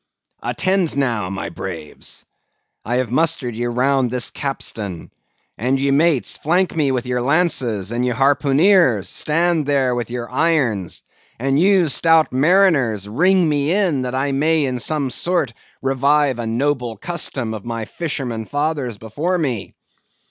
"Attend now, my braves. I have mustered ye all round this capstan; and ye mates, flank me with your lances; and ye harpooneers, stand there with your irons; and ye, stout mariners, ring me in, that I may in some sort revive a noble custom of my fisherman fathers before me.